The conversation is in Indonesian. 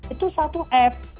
itu satu app